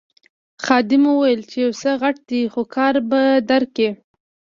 خادم وویل یو څه غټ دی خو کار به درکړي.